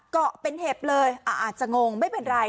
เกาะเป็นเห็บเลยอาจจะงงไม่เป็นไร